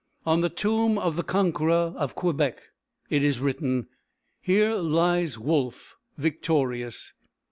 On the tomb of the conqueror of Quebec it is written: "Here lies Wolfe victorious."